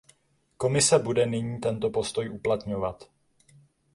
Komise bude nyní tento postoj uplatňovat.